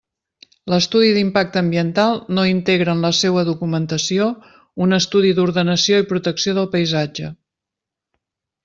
L'estudi d'impacte ambiental no integra en la seua documentació un estudi d'ordenació i protecció del paisatge.